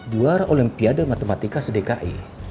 luar olimpiade matematika sedekai